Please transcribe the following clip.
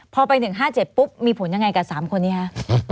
พอไปหนึ่งห้าเจ็ดปุ๊บมีผลยังไงกับสามคนนี้ฮะ